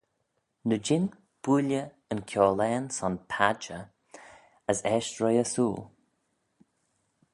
Ny jean builley yn kiaullane son padjer as eisht roie ersooyl.